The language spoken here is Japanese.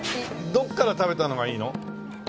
どっから食べた方がいいの？